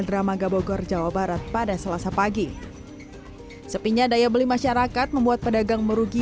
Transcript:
dramaga bogor jawa barat pada selasa pagi sepinya daya beli masyarakat membuat pedagang merugi